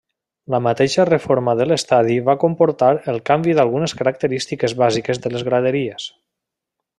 La mateixa reforma de l'estadi va comportar el canvi d'algunes característiques bàsiques de les graderies.